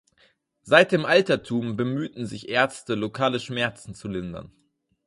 Seit dem Altertum bemühten sich Ärzte lokale Schmerzen zu lindern.